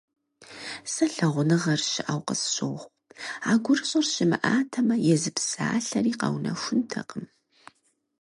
Сэ лъагъуныгъэр щыӀэу къысщохъу, а гурыщӀэр щымыӀатэмэ, езы псалъэри къэунэхунтэкъым.